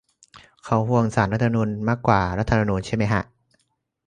เขาห่วงศาลรัฐธรรมนูญมากกว่ารัฐธรรมนูญใช่ไหมฮะ ?